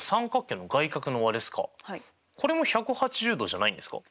これも１８０°じゃないんですか？